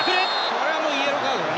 これはイエローカードだね。